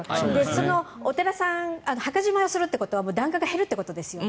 そのお寺さん墓じまいをするということは檀家が減るということです。